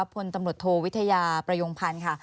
พลตำรวจโทวิทยาประยงพันธ์ค่ะ